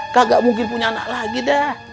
kagak mungkin punya anak lagi dah